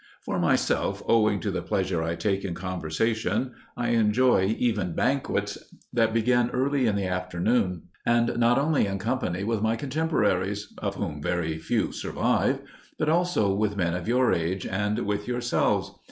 For myself, owing to the pleasure I take in conversation, I enjoy even banquets that begin early in the afternoon, and not only in company with my contemporaries of whom very few survive but also with men of your age and with yourselves.